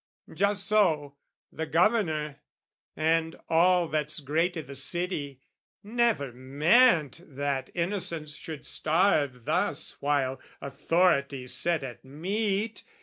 Just so, the Governor and all that's great I' the city, never meant that Innocence Should starve thus while Authority sat at meat.